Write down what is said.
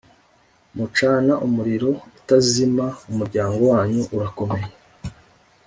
Mucana umuriro utazima: umuryango wanyu urakomeye,